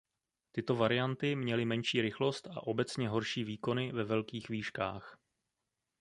Tyto varianty měly menší rychlost a obecně horší výkony ve velkých výškách.